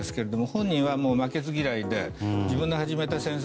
本人は負けず嫌いで自分が始めた戦争